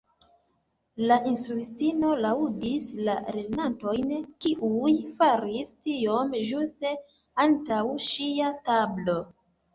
La instruistino laŭdis la lernantojn kiuj faris tiom ĝuste antaŭ ŝia tablo.